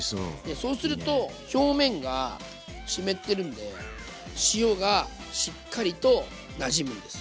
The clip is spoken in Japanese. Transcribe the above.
そうすると表面が湿ってるんで塩がしっかりとなじむんです。